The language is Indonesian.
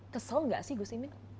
kesel nggak sih gus imin